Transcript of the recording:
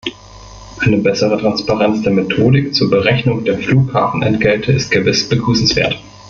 Eine bessere Transparenz der Methodik zur Berechnung der Flughafenentgelte ist gewiss begrüßenswert.